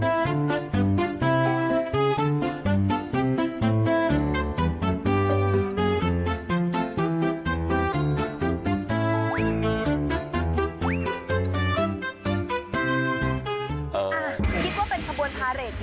มันเป็นอีกหนึ่งกิจกรรมที่สนุกสนานมาก